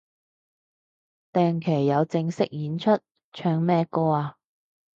定期有正式演出？唱咩歌啊